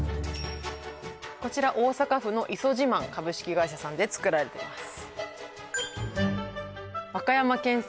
こちら大阪府の磯じまん株式会社さんで作られてます